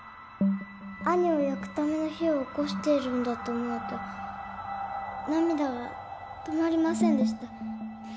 兄を焼くための火をおこしているんだと思うと涙が止まりませんでした。